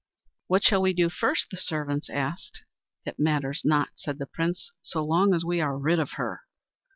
"What shall we do first?" the servants asked. "It matters not," said the Prince, "so long as we are rid of her."